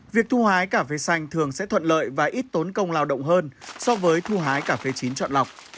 việc thu hái cà phê xanh thường sẽ thuận lợi và ít tốn công lao động hơn so với thu hái cà phê chín chọn lọc